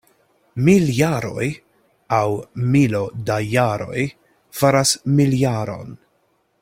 Mil jaroj (aŭ milo da jaroj) faras miljaron.